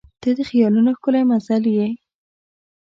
• ته د خیالونو ښکلی منزل یې.